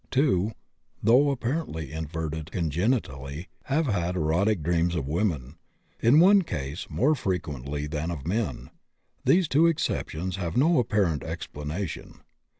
Two, though apparently inverted congenitally, have had erotic dreams of women, in one case more frequently than of men; these two exceptions have no apparent explanation.